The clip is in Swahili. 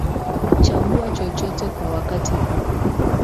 Chagua chochote kwa wakati huu